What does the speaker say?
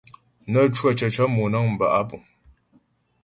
Nə́ cwə̂ cəcə̌ mònə̀ŋ bə́ á púŋ.